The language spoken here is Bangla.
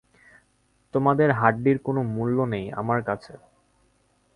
তোমাদের হাড্ডির কোনো মূল্য নেই আমার কাছে।